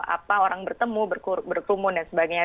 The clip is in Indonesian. apa orang bertemu berkerumun dan sebagainya